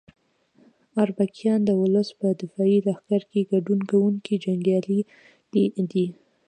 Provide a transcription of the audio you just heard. اربکیان د ولس په دفاعي لښکر کې ګډون کوونکي جنګیالي دي.